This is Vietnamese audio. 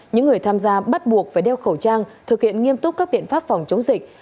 những người tham gia bắt buộc phải đeo khẩu trang thực hiện nghiêm túc các biện pháp phòng chống dịch